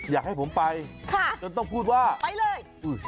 อยากให้ผมไปจนต้องพูดว่าไปเลย